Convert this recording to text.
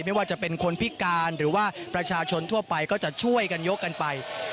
ไม่ว่าจะเป็นคนพิการหรือว่าประชาชนทั่วไปก็จะช่วยกันยกกันไป